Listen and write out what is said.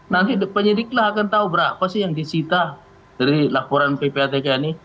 nanti penyidiklah akan tahu berapa sih yang disita dari laporan ppatk ini